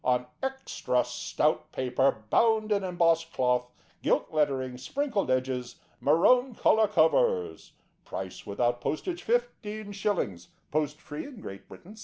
On extra stout paper, bound in embossed cloth, gilt lettering, sprinkled edges. Marone colour covers. Price without postage, 15/ ; post free in Great Britain, 16